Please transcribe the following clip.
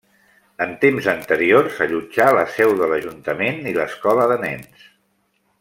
En temps anteriors allotjà la seu de l'Ajuntament i l'Escola de nens.